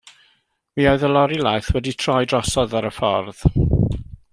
Mi oedd y lori laeth wedi troi drosodd ar y ffordd.